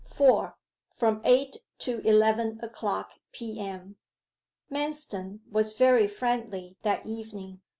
4. FROM EIGHT TO ELEVEN O'CLOCK P.M. Manston was very friendly that evening.